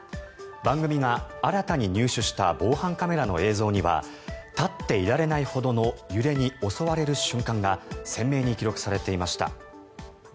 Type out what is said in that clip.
番組が新たに入手した防犯カメラの映像には立っていられないほどの揺れに襲われる瞬間が鮮明に記録されていました。